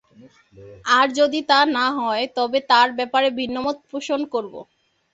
আর যদি তা না হয় তবে তার ব্যাপারে ভিন্ন মত পোষণ করব।